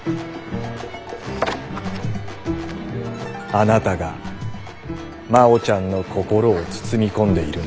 あなたが真央ちゃんの心を包み込んでいるんだ。